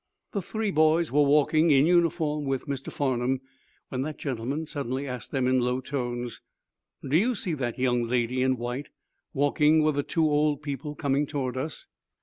The three boys were walking, in uniform, with Mr. Farnum when that gentleman suddenly asked them, in low tones: "Do you see that young lady in white, walking with the two old people, coming toward us?"